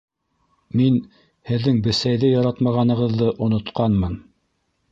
—Мин һеҙҙең бесәйҙе яратмағанығыҙҙы онотҡанмын.